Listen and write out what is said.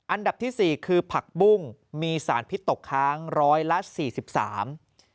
อันดับที่๔คือผักบุ้งมีสารพิษตกค้าง๑๔๓บาท